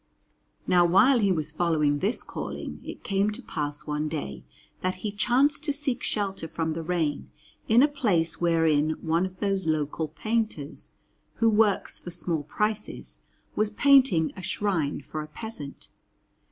Now, while he was following this calling, it came to pass one day that he chanced to seek shelter from the rain in a place wherein one of those local painters, who work for small prices, was painting a shrine for a peasant.